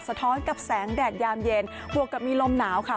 ท้อนกับแสงแดดยามเย็นบวกกับมีลมหนาวค่ะ